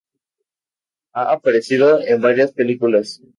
Ha aparecido en varias películas.